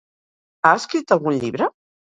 Ha escrit algun llibre?